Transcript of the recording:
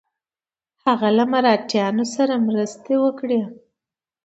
هغه له مرهټیانو سره مرستې وکړي.